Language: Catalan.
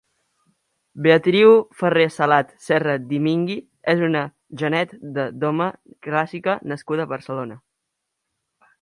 Beatriu Ferrer-Salat Serra di Migni és una genet de doma clásica nascuda a Barcelona.